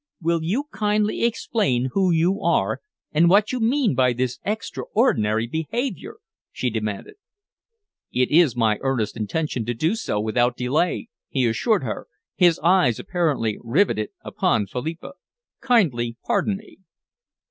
"Will you kindly explain who you are and what you mean by this extraordinary behaviour?" she demanded. "It is my earnest intention to do so without delay," he assured her, his eyes apparently rivetted upon Philippa. "Kindly pardon me."